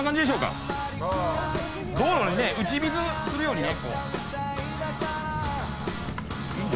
道路に打ち水するようにね。